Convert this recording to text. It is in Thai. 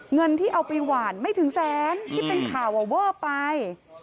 เงินที่เอาไปหวานไม่ถึงแสนที่เป็นข่าวเวอร์ไป